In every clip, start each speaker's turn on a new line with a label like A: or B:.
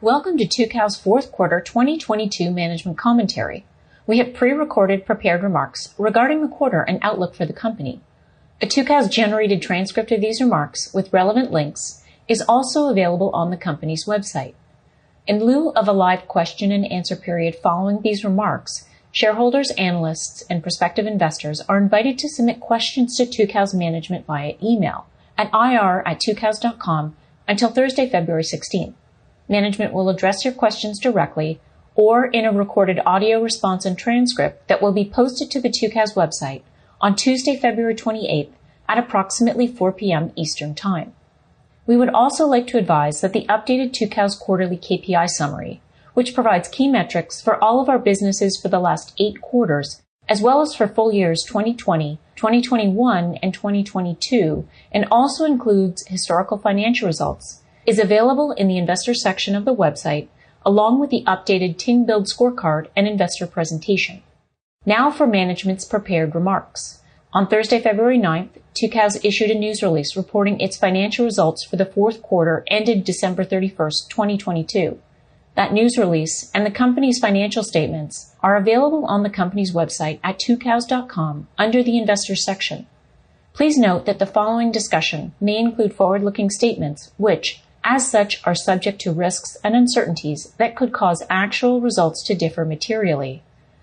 A: Welcome to Tucows' Fourth Quarter 2022 Management Commentary. We have pre-recorded prepared remarks regarding the quarter and outlook for the company. The Tucows-generated transcript of these remarks with relevant links is also available on the company's website. In lieu of a live question-and-answer period following these remarks, shareholders, analysts, and prospective investors are invited to submit questions to Tucows Management via email at ir@tucows.com until Thursday, February 16th. Management will address your questions directly or in a recorded audio response and transcript that will be posted to the Tucows website on Tuesday, February 28th at approximately 4:00 PM Eastern Time. We would also like to advise that the updated Tucows quarterly KPI summary, which provides key metrics for all of our businesses for the last eight quarters, as well as for full years, 2020, 2021, and 2022, and also includes historical financial results, is available in the investor section of the website, along with the updated Ting Build Scorecard and investor presentation. Now for management's prepared remarks. On Thursday, February 9th, Tucows issued a news release reporting its financial results for the fourth quarter ended December 31st, 2022. That news release and the company's financial statements are available on the company's website at tucows.com under the Investors section. Please note that the following discussion may include forward-looking statements, which, as such, are subject to risks and uncertainties that could cause actual results to differ materially.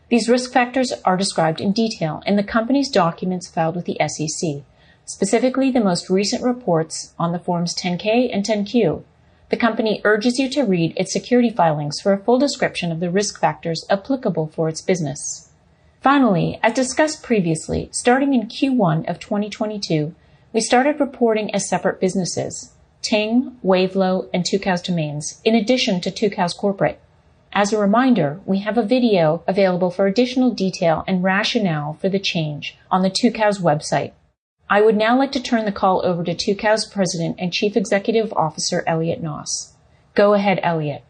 A: These risk factors are described in detail in the company's documents filed with the SEC, specifically the most recent reports on the Forms 10-K and 10-Q. The company urges you to read its security filings for a full description of the risk factors applicable for its business. Finally, as discussed previously, starting in Q1 of 2022, we started reporting as separate businesses, Ting, Wavelo, and Tucows Domains, in addition to Tucows Corporate. As a reminder, we have a video available for additional detail and rationale for the change on the Tucows website. I would now like to turn the call over to Tucows President and Chief Executive Officer, Elliot Noss. Go ahead, Elliot.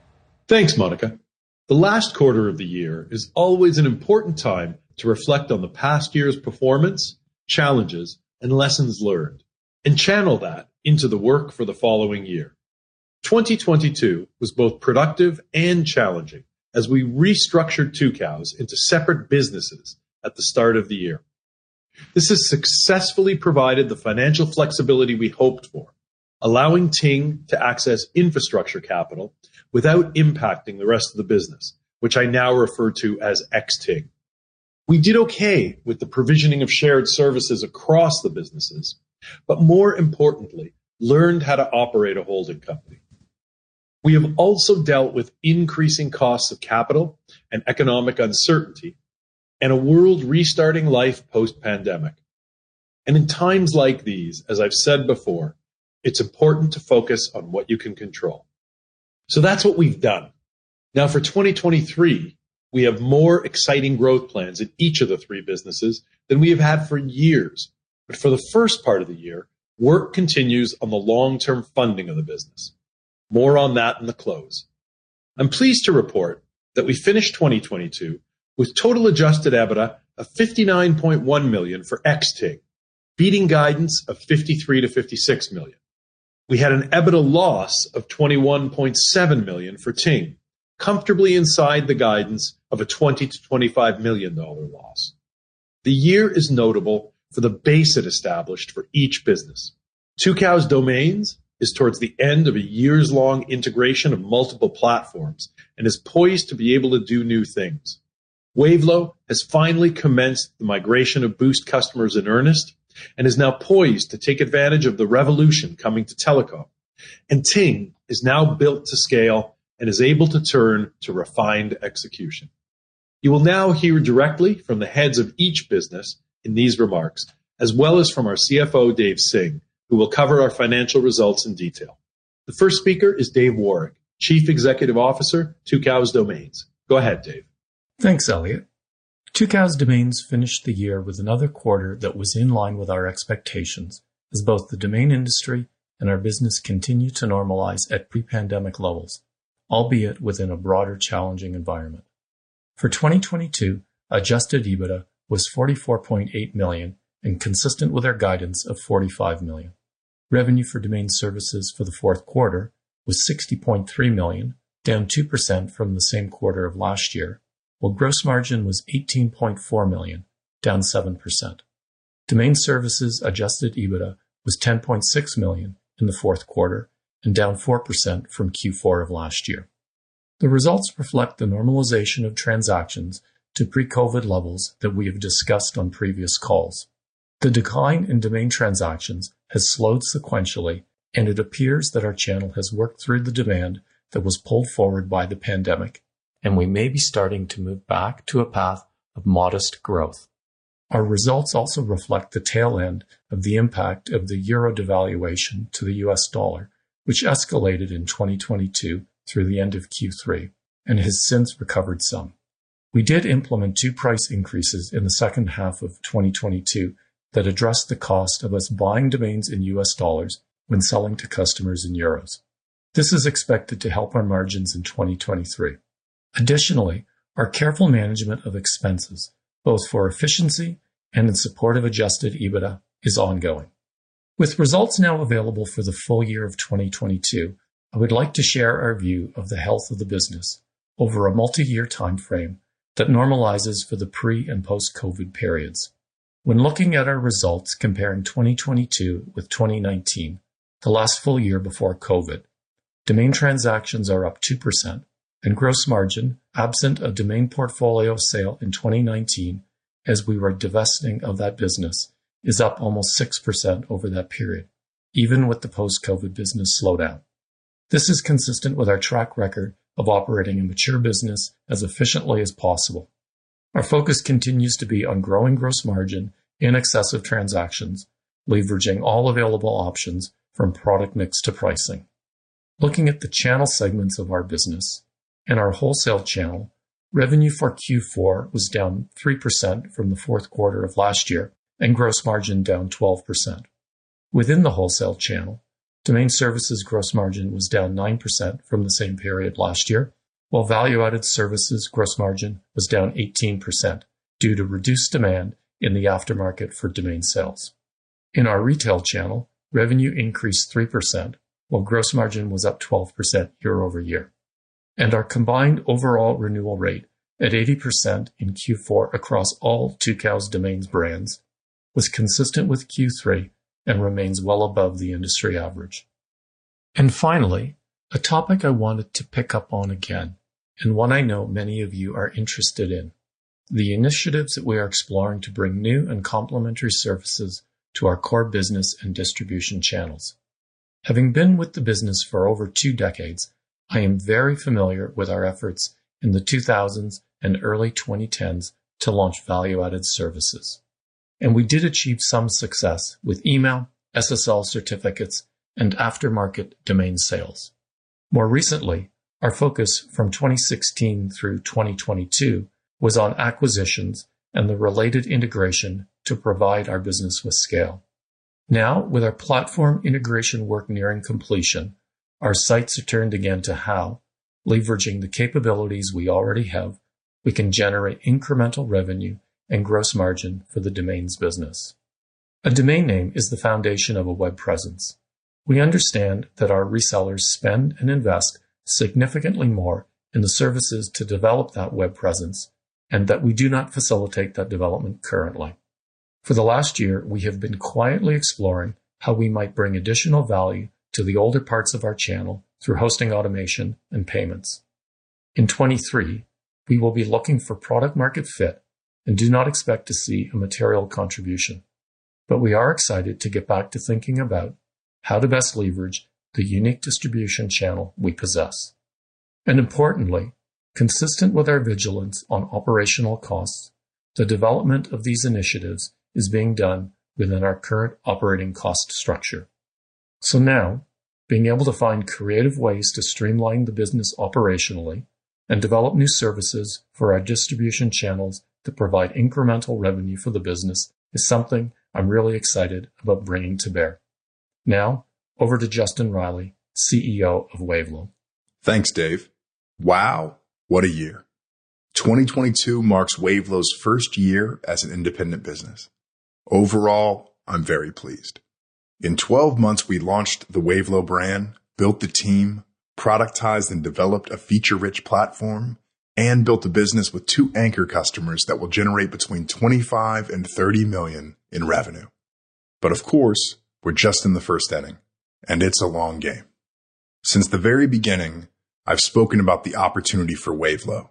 B: Thanks, Monica. The last quarter of the year is always an important time to reflect on the past year's performance, challenges, and lessons learned and channel that into the work for the following year. 2022 was both productive and challenging as we restructured Tucows into separate businesses at the start of the year. This has successfully provided the financial flexibility we hoped for, allowing Ting to access infrastructure capital without impacting the rest of the business, which I now refer to as ex-Ting. We did okay with the provisioning of shared services across the businesses. More importantly, learned how to operate a holding company. We have also dealt with increasing costs of capital and economic uncertainty and a world restarting life post-pandemic. In times like these, as I've said before, it's important to focus on what you can control. That's what we've done. For 2023, we have more exciting growth plans in each of the three businesses than we have had for years. For the first part of the year, work continues on the long-term funding of the business. More on that in the close. I'm pleased to report that we finished 2022 with total adjusted EBITDA of $59.1 million for ex-Ting, beating guidance of $53 million-$56 million. We had an EBITDA loss of $21.7 million for Ting, comfortably inside the guidance of a $20 million-$25 million loss. The year is notable for the base it established for each business. Tucows Domains is towards the end of a years long integration of multiple platforms and is poised to be able to do new things. Wavelo has finally commenced the migration of Boost customers in earnest and is now poised to take advantage of the revolution coming to telecom. Ting is now built to scale and is able to turn to refined execution. You will now hear directly from the heads of each business in these remarks, as well as from our CFO, Dave Singh, who will cover our financial results in detail. The first speaker is Dave Woroch, Chief Executive Officer, Tucows Domains. Go ahead, Dave.
C: Thanks, Elliot. Tucows Domains finished the year with another quarter that was in line with our expectations, as both the domain industry and our business continued to normalize at pre-pandemic levels, albeit within a broader challenging environment. For 2022, adjusted EBITDA was $44.8 million and consistent with our guidance of $45 million. Revenue for domain services for the fourth quarter was $60.3 million, down 2% from the same quarter of last year, while gross margin was $18.4 million, down 7%. Domain services adjusted EBITDA was $10.6 million in the fourth quarter and down 4% from Q4 of last year. The results reflect the normalization of transactions to pre-COVID levels that we have discussed on previous calls. The decline in domain transactions has slowed sequentially, and it appears that our channel has worked through the demand that was pulled forward by the pandemic, and we may be starting to move back to a path of modest growth. Our results also reflect the tail end of the impact of the euro devaluation to the U.S. dollar, which escalated in 2022 through the end of Q3 and has since recovered some. We did implement two price increases in the second half of 2022 that addressed the cost of us buying domains in U.S. dollars when selling to customers in euros. This is expected to help our margins in 2023. Additionally, our careful management of expenses, both for efficiency and in support of adjusted EBITDA, is ongoing. With results now available for the full year of 2022, I would like to share our view of the health of the business over a multi-year timeframe that normalizes for the pre- and post-COVID periods. When looking at our results comparing 2022 with 2019, the last full year before COVID, domain transactions are up 2% and gross margin, absent a domain portfolio sale in 2019, as we were divesting of that business, is up almost 6% over that period, even with the post-COVID business slowdown. This is consistent with our track record of operating a mature business as efficiently as possible. Our focus continues to be on growing gross margin in excess of transactions, leveraging all available options from product mix to pricing. Looking at the channel segments of our business, in our wholesale channel, revenue for Q4 was down 3% from the fourth quarter of last year, and gross margin down 12%. Within the wholesale channel, domain services gross margin was down 9% from the same period last year, while value-added services gross margin was down 18% due to reduced demand in the aftermarket for domain sales. In our retail channel, revenue increased 3%, while gross margin was up 12% year-over-year. Our combined overall renewal rate at 80% in Q4 across all Tucows Domains brands was consistent with Q3 and remains well above the industry average. Finally, a topic I wanted to pick up on again, and one I know many of you are interested in, the initiatives that we are exploring to bring new and complementary services to our core business and distribution channels. Having been with the business for over two decades, I am very familiar with our efforts in the 2000s and early 2010s to launch value-added services, and we did achieve some success with email, SSL certificates, and aftermarket domain sales. More recently, our focus from 2016 through 2022 was on acquisitions and the related integration to provide our business with scale. Now, with our platform integration work nearing completion, our sights are turned again to how, leveraging the capabilities we already have, we can generate incremental revenue and gross margin for the domains business. A domain name is the foundation of a web presence. We understand that our resellers spend and invest significantly more in the services to develop that web presence and that we do not facilitate that development currently. For the last year, we have been quietly exploring how we might bring additional value to the older parts of our channel through hosting automation and payments. In 2023, we will be looking for product market fit and do not expect to see a material contribution. We are excited to get back to thinking about how to best leverage the unique distribution channel we possess. Importantly, consistent with our vigilance on operational costs, the development of these initiatives is being done within our current operating cost structure. Now, being able to find creative ways to streamline the business operationally and develop new services for our distribution channels to provide incremental revenue for the business is something I'm really excited about bringing to bear. Now over to Justin Reilly, CEO of Wavelo.
D: Thanks, Dave. Wow, what a year. 2022 marks Wavelo's first year as an independent business. Overall, I'm very pleased. In 12 months, we launched the Wavelo brand, built the team, productized and developed a feature-rich platform, and built a business with two anchor customers that will generate between $25 million and $30 million in revenue. Of course, we're just in the first inning, and it's a long game. Since the very beginning, I've spoken about the opportunity for Wavelo,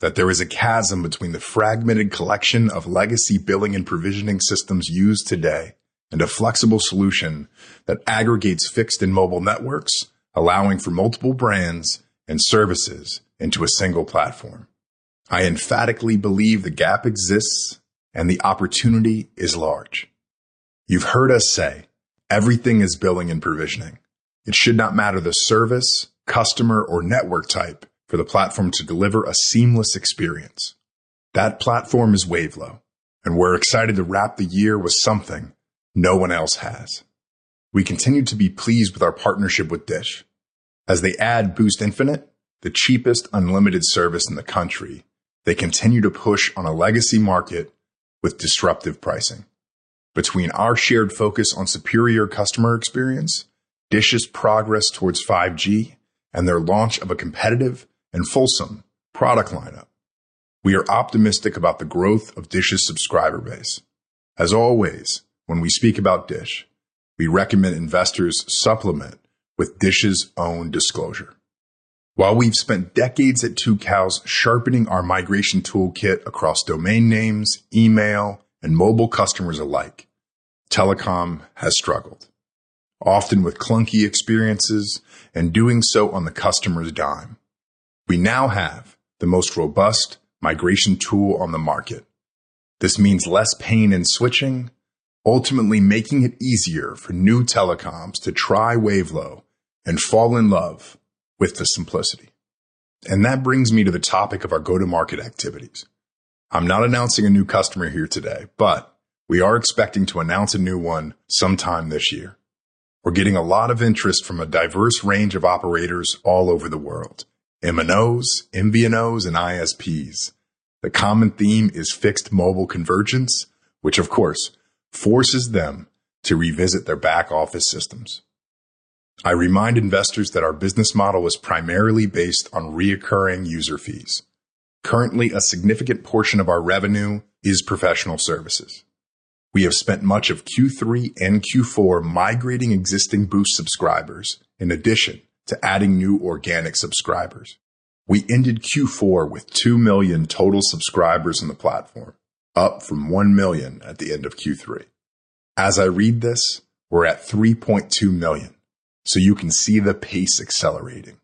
D: that there is a chasm between the fragmented collection of legacy billing and provisioning systems used today, and a flexible solution that aggregates fixed and mobile networks, allowing for multiple brands and services into a single platform. I emphatically believe the gap exists and the opportunity is large. You've heard us say everything is billing and provisioning. It should not matter the service, customer, or network type for the platform to deliver a seamless experience. That platform is Wavelo, and we're excited to wrap the year with something no one else has. We continue to be pleased with our partnership with DISH. As they add Boost Infinite, the cheapest unlimited service in the country, they continue to push on a legacy market with disruptive pricing. Between our shared focus on superior customer experience, DISH's progress towards 5G, and their launch of a competitive and fulsome product lineup, we are optimistic about the growth of DISH's subscriber base. As always, when we speak about DISH, we recommend investors supplement with DISH's own disclosure. While we've spent decades at Tucows sharpening our migration toolkit across domain names, email, and mobile customers alike, telecom has struggled, often with clunky experiences and doing so on the customer's dime. We now have the most robust migration tool on the market. This means less pain in switching, ultimately making it easier for new telecoms to try Wavelo and fall in love with the simplicity. That brings me to the topic of our go-to-market activities. I'm not announcing a new customer here today, but we are expecting to announce a new one sometime this year. We're getting a lot of interest from a diverse range of operators all over the world, MNOs, MVNOs, and ISPs. The common theme is fixed mobile convergence, which of course forces them to revisit their back-office systems. I remind investors that our business model is primarily based on recurring user fees. Currently, a significant portion of our revenue is professional services. We have spent much of Q3 and Q4 migrating existing Boost subscribers in addition to adding new organic subscribers. We ended Q4 with $2 million total subscribers in the platform, up from $1 million at the end of Q3. As I read this, we're at $3.2 million, so you can see the pace accelerating.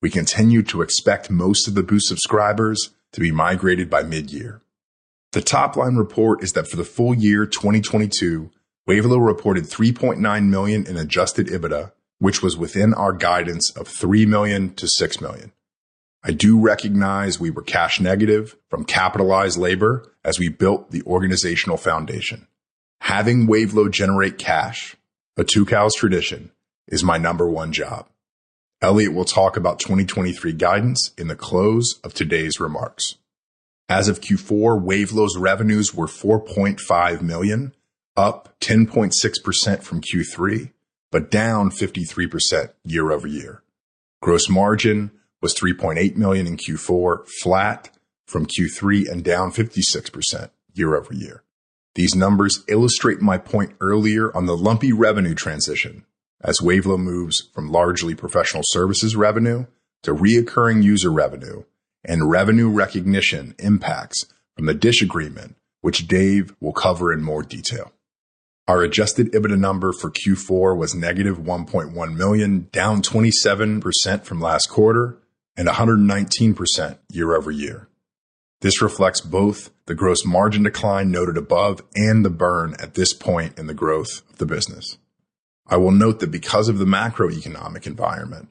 D: We continue to expect most of the Boost subscribers to be migrated by mid-year. The top-line report is that for the full year 2022, Wavelo reported $3.9 million in adjusted EBITDA, which was within our guidance of $3 million-$6 million. I do recognize we were cash negative from capitalized labor as we built the organizational foundation. Having Wavelo generate cash, a Tucows tradition, is my number one job. Elliot will talk about 2023 guidance in the close of today's remarks. As of Q4, Wavelo's revenues were $4.5 million, up 10.6% from Q3, but down 53% year-over-year. Gross margin was $3.8 million in Q4, flat from Q3 and down 56% year-over-year. These numbers illustrate my point earlier on the lumpy revenue transition as Wavelo moves from largely professional services revenue to reoccurring user revenue and revenue recognition impacts from the DISH agreement, which Dave will cover in more detail. Our adjusted EBITDA number for Q4 was -$1.1 million, down 27% from last quarter and 119% year-over-year. This reflects both the gross margin decline noted above and the burn at this point in the growth of the business. I will note that because of the macroeconomic environment,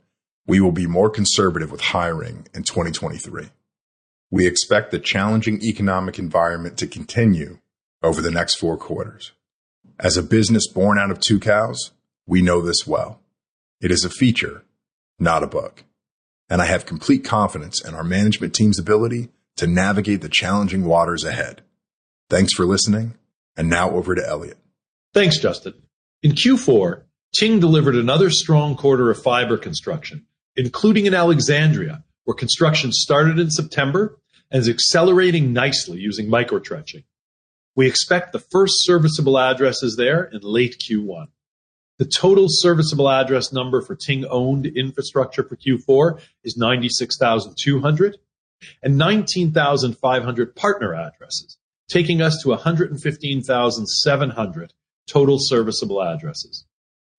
D: we will be more conservative with hiring in 2023. We expect the challenging economic environment to continue over the next four quarters. As a business born out of Tucows, we know this well. It is a feature, not a bug. I have complete confidence in our management team's ability to navigate the challenging waters ahead. Thanks for listening. Now over to Elliot.
B: Thanks, Justin. In Q4, Ting delivered another strong quarter of fiber construction, including in Alexandria, where construction started in September and is accelerating nicely using microtrenching. We expect the first serviceable addresses there in late Q1. The total serviceable address number for Ting-owned infrastructure for Q4 is 96,200 and 19,500 partner addresses, taking us to 115,700 total serviceable addresses.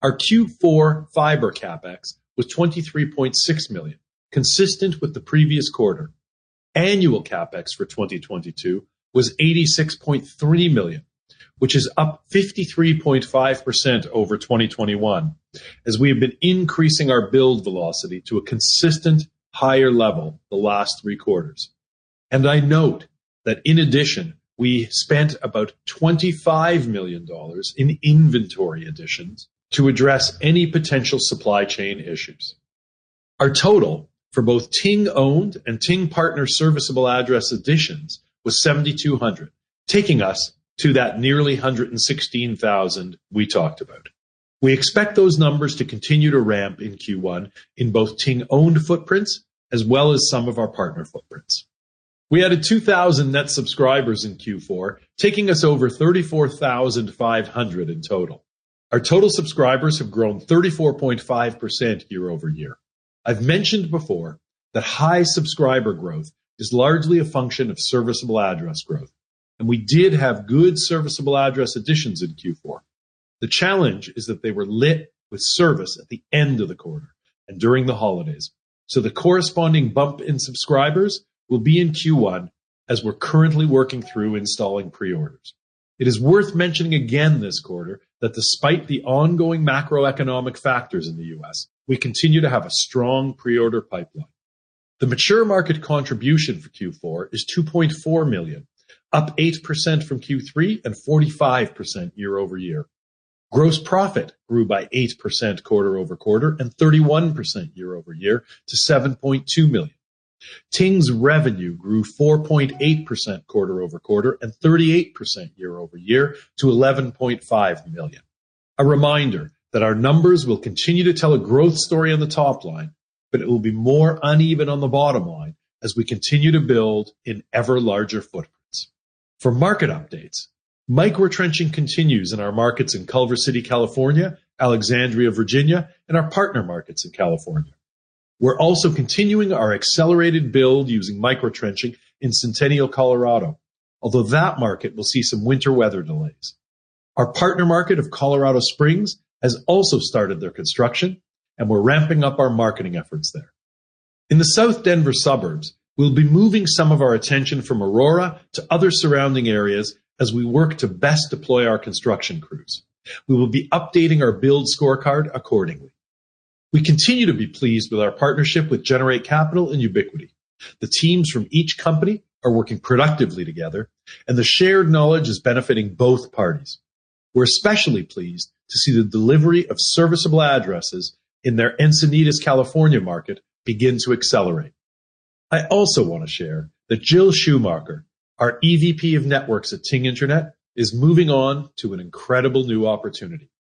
B: Our Q4 fiber CapEx was $23.6 million, consistent with the previous quarter. Annual CapEx for 2022 was $86.3 million, which is up 53.5% over 2021, as we have been increasing our build velocity to a consistent higher level the last three quarters. I note that in addition, we spent about $25 million in inventory additions to address any potential supply chain issues. Our total for both Ting owned and Ting partner serviceable address additions was 7,200, taking us to that nearly 116,000 we talked about. We expect those numbers to continue to ramp in Q1 in both Ting owned footprints as well as some of our partner footprints. We added 2,000 net subscribers in Q4, taking us over 34,500 in total. Our total subscribers have grown 34.5% year-over-year. I've mentioned before that high subscriber growth is largely a function of serviceable address growth, and we did have good serviceable address additions in Q4. The challenge is that they were lit with service at the end of the quarter and during the holidays. The corresponding bump in subscribers will be in Q1 as we're currently working through installing pre-orders. It is worth mentioning again this quarter that despite the ongoing macroeconomic factors in the U.S., we continue to have a strong pre-order pipeline. The mature market contribution for Q4 is $2.4 million, up 8% from Q3 and 45% year-over-year. Gross profit grew by 8% quarter-over-quarter and 31% year-over-year to $7.2 million. Ting's revenue grew 4.8% quarter-over-quarter and 38% year-over-year to $11.5 million. A reminder that our numbers will continue to tell a growth story on the top line, but it will be more uneven on the bottom line as we continue to build in ever larger footprints. For market updates, microtrenching continues in our markets in Culver City, California, Alexandria, Virginia, and our partner markets in California. We're also continuing our accelerated build using microtrenching in Centennial, Colorado. Although that market will see some winter weather delays. Our partner market of Colorado Springs has also started their construction and we're ramping up our marketing efforts there. In the South Denver suburbs, we'll be moving some of our attention from Aurora to other surrounding areas as we work to best deploy our construction crews. We will be updating our build scorecard accordingly. We continue to be pleased with our partnership with Generate Capital and Ubiquity. The teams from each company are working productively together, and the shared knowledge is benefiting both parties. We're especially pleased to see the delivery of serviceable addresses in their Encinitas, California market begin to accelerate. I also wanna share that Jill Szuchmacher, our EVP of Networks at Ting Internet, is moving on to an incredible new opportunity.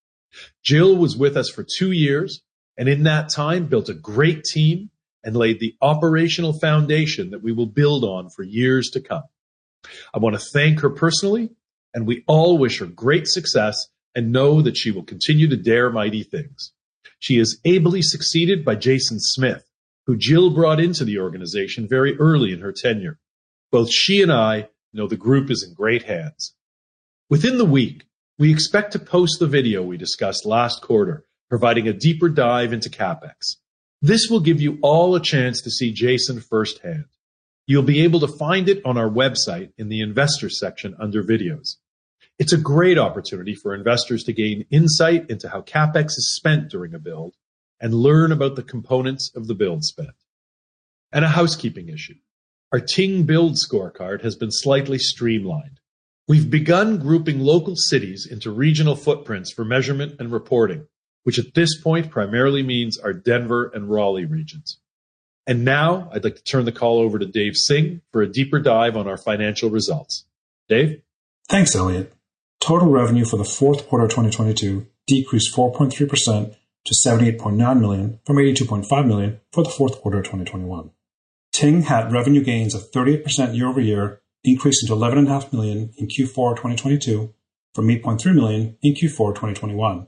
B: Jill was with us for two years, and in that time built a great team and laid the operational foundation that we will build on for years to come. I wanna thank her personally, and we all wish her great success and know that she will continue to dare mighty things. She is ably succeeded by Jason Smith, who Jill brought into the organization very early in her tenure. Both she and I know the group is in great hands. Within the week, we expect to post the video we discussed last quarter, providing a deeper dive into CapEx. This will give you all a chance to see Jason firsthand. You'll be able to find it on our website in the investor section under Videos. It's a great opportunity for investors to gain insight into how CapEx is spent during a build and learn about the components of the build spend. A housekeeping issue, our Ting Build Scorecard has been slightly streamlined. We've begun grouping local cities into regional footprints for measurement and reporting, which at this point primarily means our Denver and Raleigh regions. Now I'd like to turn the call over to Dave Singh for a deeper dive on our financial results. Dave?
E: Thanks, Elliot. Total revenue for the fourth quarter of 2022 decreased 4.3% to $78.9 million from $82.5 million for the fourth quarter of 2021. Ting had revenue gains of 30% year-over-year, increasing to $11.5 million in Q4 of 2022 from $8.3 million in Q4 of 2021.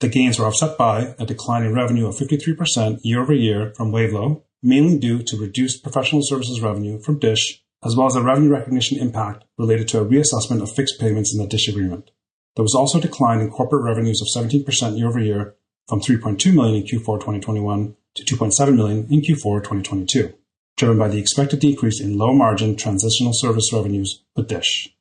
E: The gains were offset by a decline in revenue of 53% year-over-year from Wavelo, mainly due to reduced professional services revenue from DISH, as well as the revenue recognition impact related to a reassessment of fixed payments in the DISH agreement. There was also a decline in corporate revenues of 17% year-over-year from $3.2 million in Q4 of 2021 to $2.7 million in Q4 of 2022, driven by the expected decrease in low-margin transitional service revenues with DISH.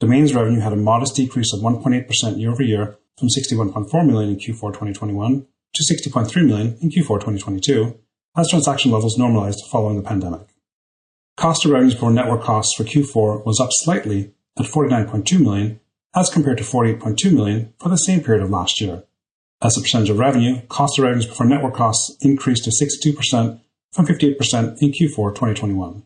E: Domains revenue had a modest decrease of 1.8% year-over-year from $61.4 million in Q4 of 2021 to $60.3 million in Q4 of 2022 as transaction levels normalized following the pandemic. Cost of revenues for network costs for Q4 was up slightly at $49.2 million as compared to $48.2 million for the same period of last year. As a percentage of revenue, cost of revenues before network costs increased to 62% from 58% in Q4 of 2021.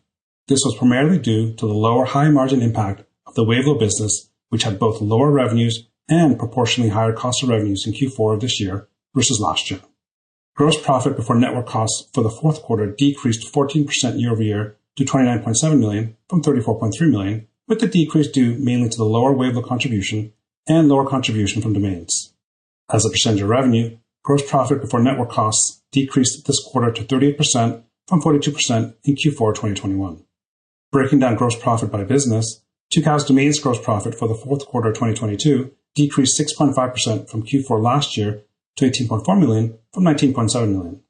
E: This was primarily due to the lower high margin impact of the Wavelo business, which had both lower revenues and proportionally higher cost of revenues in Q4 of this year versus last year. Gross profit before network costs for the fourth quarter decreased 14% year-over-year to $29.7 million from $34.3 million, with the decrease due mainly to the lower Wavelo contribution and lower contribution from domains. As a percentage of revenue, gross profit before network costs decreased this quarter to 30% from 42% in Q4 of 2021. Breaking down gross profit by business, Tucows Domains gross profit for the fourth quarter of 2022 decreased 6.5% from Q4 last year to $18.4 million from $19.7 million.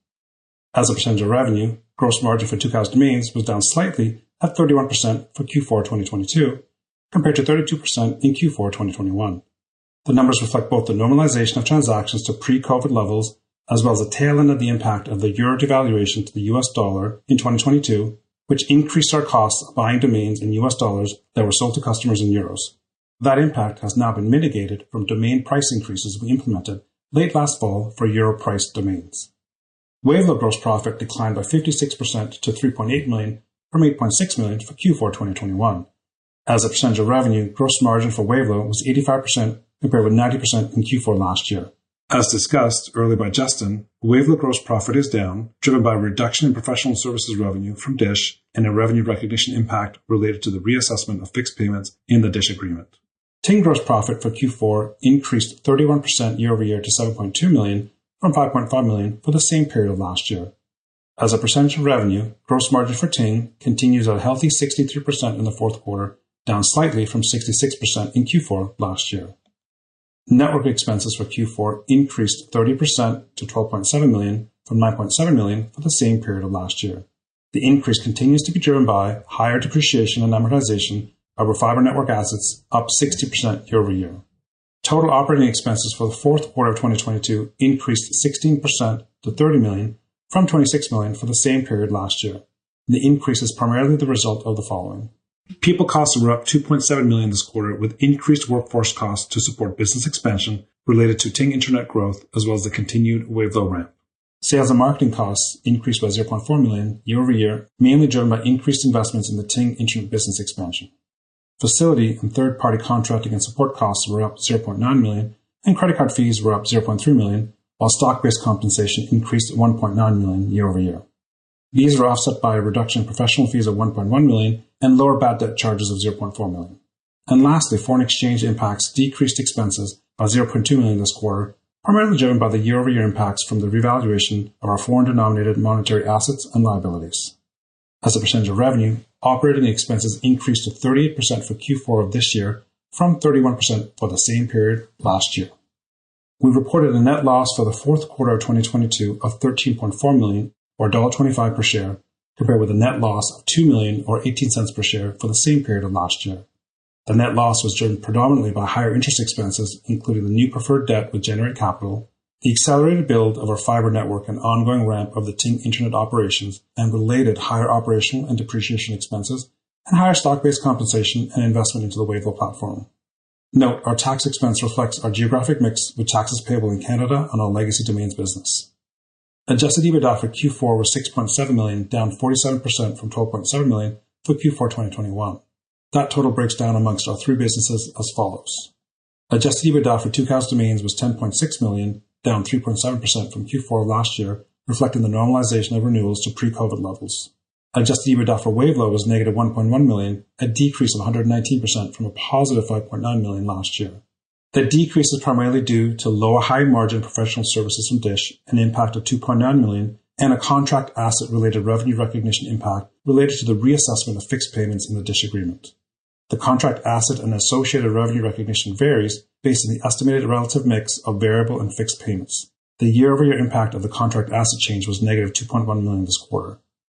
E: As a percentage of revenue, gross margin for Tucows Domains was down slightly at 31% for Q4 of 2022 compared to 32% in Q4 of 2021. The numbers reflect both the normalization of transactions to pre-COVID levels as well as a tail end of the impact of the euro devaluation to the US dollar in 2022, which increased our costs of buying domains in U.S. dollars that were sold to customers in euros. That impact has now been mitigated from domain price increases we implemented late last fall for euro-priced domains. Wavelo gross profit declined by 56% to $3.8 million from $8.6 million for Q4 of 2021. As a percentage of revenue, gross margin for Wavelo was 85% compared with 90% in Q4 last year. As discussed earlier by Justin, Wavelo gross profit is down, driven by a reduction in professional services revenue from DISH and a revenue recognition impact related to the reassessment of fixed payments in the DISH agreement. Ting gross profit for Q4 increased 31% year-over-year to $7.2 million from $5.5 million for the same period of last year. As a percentage of revenue, gross margin for Ting continues at a healthy 63% in the fourth quarter, down slightly from 66% in Q4 last year. Network expenses for Q4 increased 30% to $12.7 million from $9.7 million for the same period of last year. The increase continues to be driven by higher depreciation and amortization of our fiber network assets, up 60% year-over-year. Total operating expenses for the fourth quarter of 2022 increased 16% to $30 million from $26 million for the same period last year. The increase is primarily the result of the following. People costs were up $2.7 million this quarter, with increased workforce costs to support business expansion related to Ting Internet growth as well as the continued Wavelo ramp. Sales and marketing costs increased by $0.4 million year-over-year, mainly driven by increased investments in the Ting Internet business expansion. Facility and third-party contracting and support costs were up $0.9 million, and credit card fees were up $0.3 million, while stock-based compensation increased $1.9 million year-over-year. These were offset by a reduction in professional fees of $1.1 million and lower bad debt charges of $0.4 million. Lastly, foreign exchange impacts decreased expenses by $0.2 million this quarter, primarily driven by the year-over-year impacts from the revaluation of our foreign denominated monetary assets and liabilities. As a percentage of revenue, operating expenses increased to 38% for Q4 of this year from 31% for the same period last year. We reported a net loss for the fourth quarter of 2022 of $13.4 million or $1.25 per share, compared with a net loss of $2 million or $0.18 per share for the same period of last year. The net loss was driven predominantly by higher interest expenses, including the new preferred debt with Generate Capital, the accelerated build of our fiber network, and ongoing ramp of the Ting Internet operations, and related higher operational and depreciation expenses, and higher stock-based compensation and investment into the Wavelo platform. Our tax expense reflects our geographic mix with taxes payable in Canada on our legacy Domains business. Adjusted EBITDA for Q4 was $6.7 million, down 47% from $12.7 million for Q4 2021. That total breaks down amongst our three businesses as follows: Adjusted EBITDA for Tucows Domains was $10.6 million, down 3.7% from Q4 last year, reflecting the normalization of renewals to pre-COVID levels. Adjusted EBITDA for Wavelo was negative $1.1 million, a decrease of 119% from a positive $5.9 million last year. The decrease is primarily due to lower high-margin professional services from DISH, an impact of $2.9 million, and a contract asset-related revenue recognition impact related to the reassessment of fixed payments in the DISH agreement. The contract asset and associated revenue recognition varies based on the estimated relative mix of variable and fixed payments. The year-over-year impact of the contract asset change was negative $2.1 million this quarter.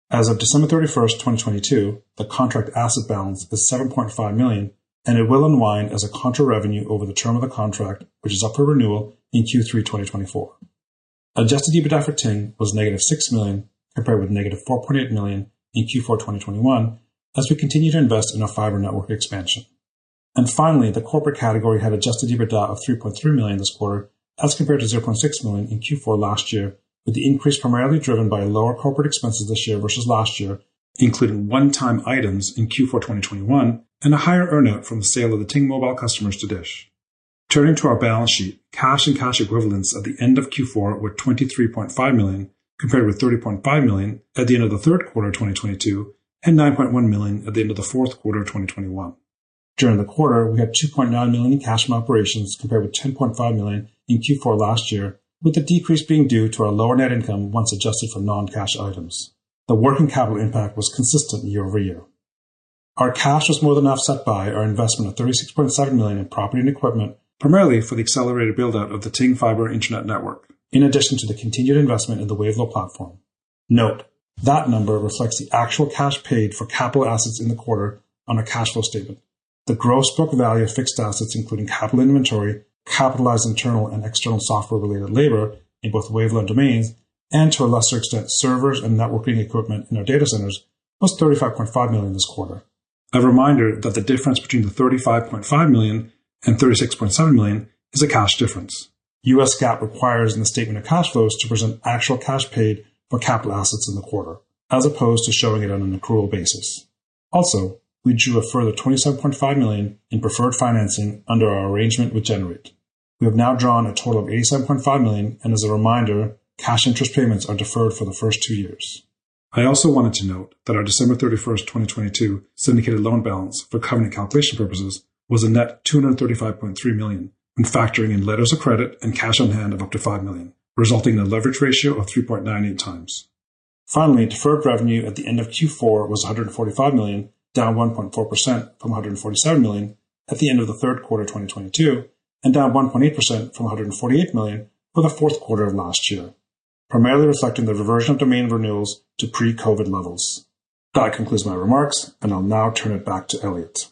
E: As of December 31, 2022, the contract asset balance is $7.5 million, and it will unwind as a contra revenue over the term of the contract, which is up for renewal in Q3 2024. Adjusted EBITDA for Ting was negative $6 million, compared with negative $4.8 million in Q4 2021, as we continue to invest in our fiber network expansion. Finally, the corporate category had adjusted EBITDA of $3.3 million this quarter, as compared to $0.6 million in Q4 last year, with the increase primarily driven by lower corporate expenses this year versus last year, including one-time items in Q4, 2021, and a higher earn-out from the sale of the Ting Mobile customers to DISH. Turning to our balance sheet, cash and cash equivalents at the end of Q4 were $23.5 million, compared with $30.5 million at the end of the third quarter of 2022 and $9.1 million at the end of the fourth quarter of 2021. During the quarter, we had $2.9 million in cash from operations compared with $10.5 million in Q4 last year, with the decrease being due to our lower net income once adjusted for non-cash items. The working capital impact was consistent year-over-year. Our cash was more than offset by our investment of $36.7 million in property and equipment, primarily for the accelerated build-out of the Ting Internet fiber network, in addition to the continued investment in the Wavelo platform. Note, that number reflects the actual cash paid for capital assets in the quarter on our cash flow statement. The gross book value of fixed assets, including capital inventory, capitalized internal and external software-related labor in both Wavelo and Domains, and to a lesser extent, servers and networking equipment in our data centers, was $35.5 million this quarter. A reminder that the difference between the $35.5 million and $36.7 million is a cash difference. U.S. GAAP requires in the statement of cash flows to present actual cash paid for capital assets in the quarter, as opposed to showing it on an accrual basis. We drew a further $27.5 million in preferred financing under our arrangement with Generate. We have now drawn a total of $87.5 million, as a reminder, cash interest payments are deferred for the first two years. I also wanted to note that our December 31, 2022 syndicated loan balance for covenant calculation purposes was a net $235.3 million, when factoring in letters of credit and cash on hand of up to $5 million, resulting in a leverage ratio of 3.98 times. Finally, deferred revenue at the end of Q4 was $145 million, down 1.4% from $147 million at the end of the third quarter of 2022, down 1.8% from $148 million for the fourth quarter of last year, primarily reflecting the reversion of domain renewals to pre-COVID levels. That concludes my remarks, and I'll now turn it back to Elliot.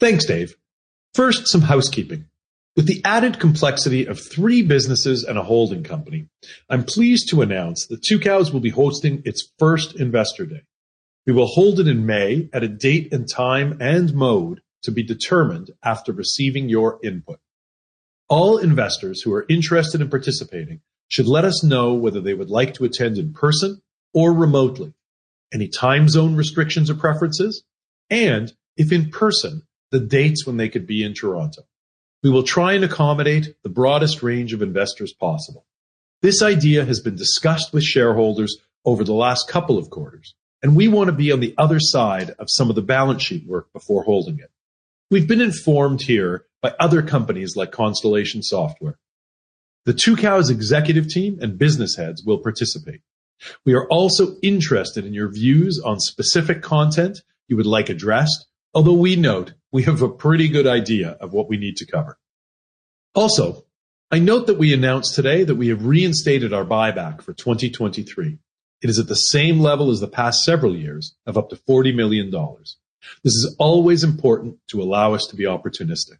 B: Thanks, Dave. First, some housekeeping. With the added complexity of three businesses and a holding company, I'm pleased to announce that Tucows will be hosting its first Investor Day. We will hold it in May at a date and time and mode to be determined after receiving your input. All investors who are interested in participating should let us know whether they would like to attend in person or remotely, any time zone restrictions or preferences, and if in person, the dates when they could be in Toronto. We will try and accommodate the broadest range of investors possible. This idea has been discussed with shareholders over the last couple of quarters, and we want to be on the other side of some of the balance sheet work before holding it. We've been informed here by other companies like Constellation Software. The Tucows executive team and business heads will participate. We are also interested in your views on specific content you would like addressed, although we note we have a pretty good idea of what we need to cover. I note that we announced today that we have reinstated our buyback for 2023. It is at the same level as the past several years of up to $40 million. This is always important to allow us to be opportunistic.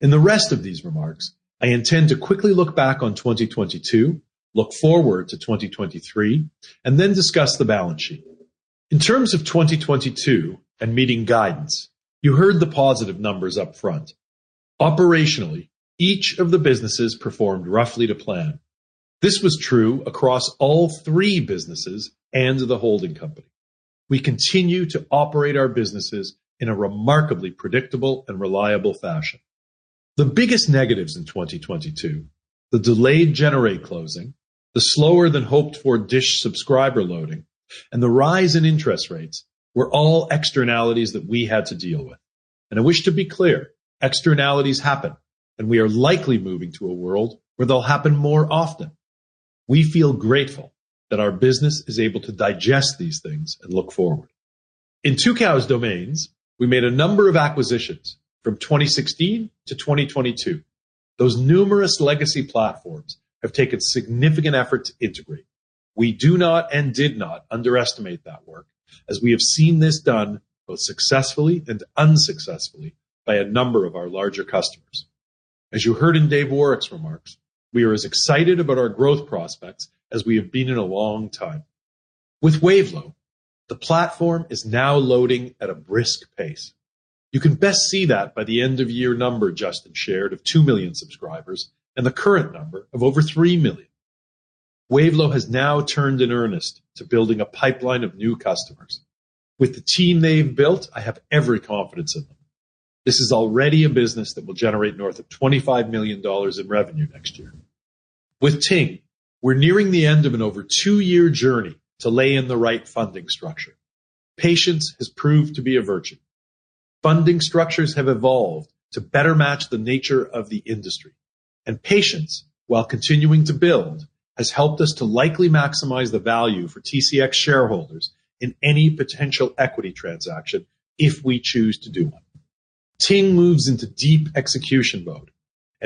B: In the rest of these remarks, I intend to quickly look back on 2022, look forward to 2023, and then discuss the balance sheet. In terms of 2022 and meeting guidance, you heard the positive numbers up front. Operationally, each of the businesses performed roughly to plan. This was true across all three businesses and the holding company. We continue to operate our businesses in a remarkably predictable and reliable fashion. The biggest negatives in 2022, the delayed Generate closing, the slower than hoped for DISH subscriber loading, and the rise in interest rates, were all externalities that we had to deal with. I wish to be clear, externalities happen, and we are likely moving to a world where they'll happen more often. We feel grateful that our business is able to digest these things and look forward. In Tucows Domains, we made a number of acquisitions from 2016 to 2022. Those numerous legacy platforms have taken significant effort to integrate. We do not and did not underestimate that work, as we have seen this done both successfully and unsuccessfully by a number of our larger customers. As you heard in Dave Woroch's remarks, we are as excited about our growth prospects as we have been in a long time. With Wavelo, the platform is now loading at a brisk pace. You can best see that by the end of year number Justin shared of 2 million subscribers and the current number of over 3 million. Wavelo has now turned in earnest to building a pipeline of new customers. With the team they've built, I have every confidence in them. This is already a business that will generate north of $25 million in revenue next year. With Ting, we're nearing the end of an over two-year journey to lay in the right funding structure. Patience has proved to be a virtue. Funding structures have evolved to better match the nature of the industry, and patience, while continuing to build, has helped us to likely maximize the value for TCX shareholders in any potential equity transaction if we choose to do one. Ting moves into deep execution mode,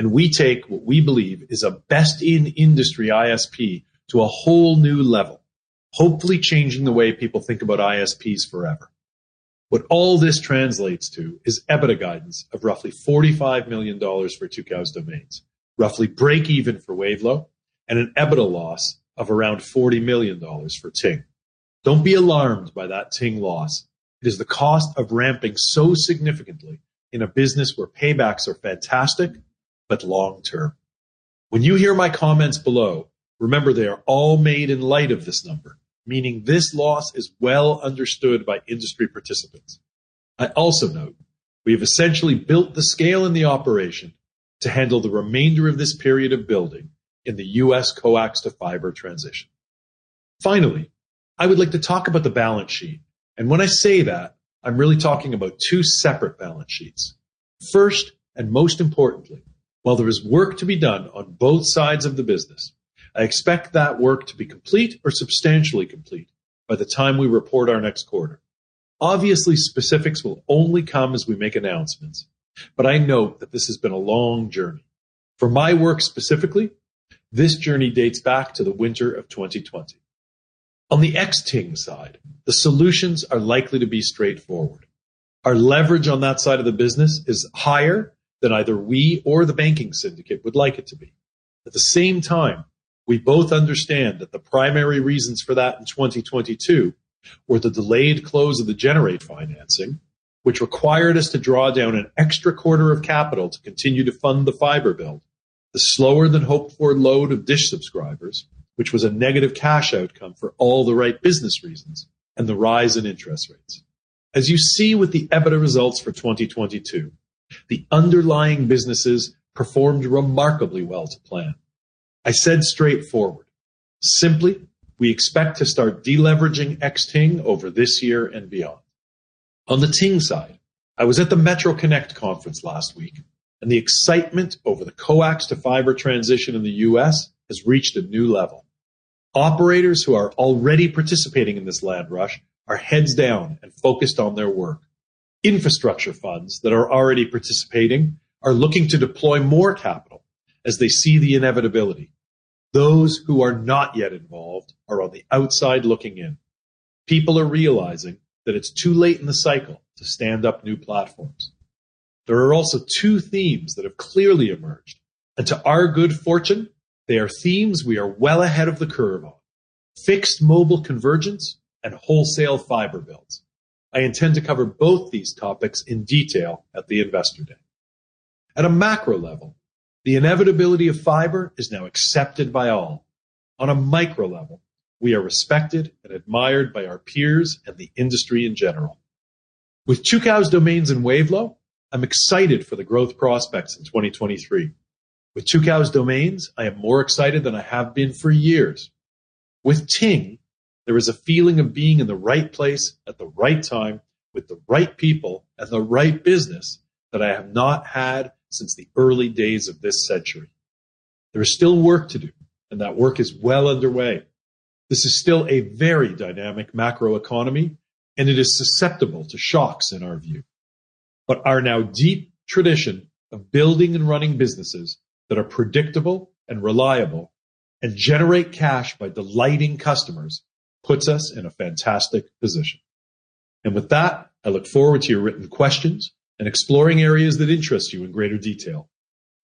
B: we take what we believe is a best-in-industry ISP to a whole new level, hopefully changing the way people think about ISPs forever. What all this translates to is EBITDA guidance of roughly $45 million for Tucows Domains, roughly breakeven for Wavelo, and an EBITDA loss of around $40 million for Ting. Don't be alarmed by that Ting loss. It is the cost of ramping so significantly in a business where paybacks are fantastic but long-term. When you hear my comments below, remember they are all made in light of this number, meaning this loss is well understood by industry participants. I also note we have essentially built the scale in the operation to handle the remainder of this period of building in the U.S. coax to fiber transition. Finally, I would like to talk about the balance sheet, and when I say that, I'm really talking about two separate balance sheets. First, and most importantly, while there is work to be done on both sides of the business, I expect that work to be complete or substantially complete by the time we report our next quarter. Obviously, specifics will only come as we make announcements, but I know that this has been a long journey. For my work specifically, this journey dates back to the winter of 2020. On the ex-Ting side, the solutions are likely to be straightforward. Our leverage on that side of the business is higher than either we or the banking syndicate would like it to be. At the same time, we both understand that the primary reasons for that in 2022 were the delayed close of the Generate financing, which required us to draw down an extra quarter of capital to continue to fund the fiber build, the slower than hoped for load of DISH subscribers, which was a negative cash outcome for all the right business reasons, and the rise in interest rates. As you see with the EBITDA results for 2022, the underlying businesses performed remarkably well to plan. I said straightforward. Simply, we expect to start deleveraging ex-Ting over this year and beyond. On the Ting side, I was at the Metro Connect conference last week. The excitement over the coax to fiber transition in the U.S. has reached a new level. Operators who are already participating in this land rush are heads down and focused on their work. Infrastructure funds that are already participating are looking to deploy more capital as they see the inevitability. Those who are not yet involved are on the outside looking in. People are realizing that it's too late in the cycle to stand up new platforms. There are also two themes that have clearly emerged, and to our good fortune, they are themes we are well ahead of the curve on: fixed mobile convergence and wholesale fiber builds. I intend to cover both these topics in detail at the Investor Day. At a macro level, the inevitability of fiber is now accepted by all. On a micro level, we are respected and admired by our peers and the industry in general. With Tucows Domains and Wavelo, I'm excited for the growth prospects in 2023. With Tucows Domains, I am more excited than I have been for years. With Ting, there is a feeling of being in the right place at the right time with the right people and the right business that I have not had since the early days of this century. There is still work to do, and that work is well underway. This is still a very dynamic macro economy, and it is susceptible to shocks in our view. Our now deep tradition of building and running businesses that are predictable and reliable and generate cash by delighting customers puts us in a fantastic position. With that, I look forward to your written questions and exploring areas that interest you in greater detail.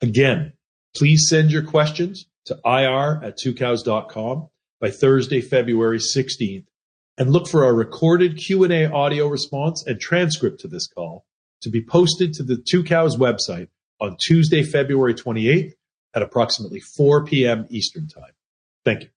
B: Again, please send your questions to ir@tucows.com by Thursday, February 16th. Look for our recorded Q&A audio response and transcript to this call to be posted to the Tucows website on Tuesday, February 28th at approximately 4:00 P.M. Eastern Time. Thank you.